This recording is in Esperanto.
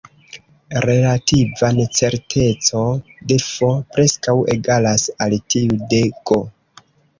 Relativa necerteco de "F" preskaŭ egalas al tiu de "G".